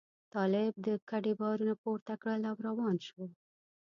طالب د کډې بارونه پورته کړل او روان شو.